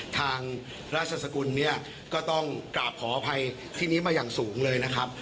ทางราชสกุลเนี่ยก็ต้องกราบขออภัยที่นี้มาอย่างสูงเลยนะครับ